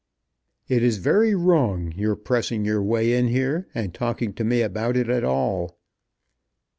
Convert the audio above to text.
"It is very wrong, your pressing your way in here and talking to me about it at all."